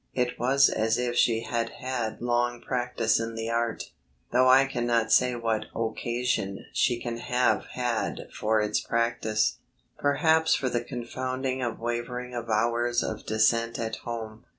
It was as if she had had long practice in the art, though I cannot say what occasion she can have had for its practice perhaps for the confounding of wavering avowers of Dissent at home.